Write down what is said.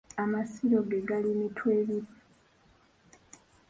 Amasiro ge gali Mitwebiri.